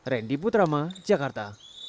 randy putrama jakarta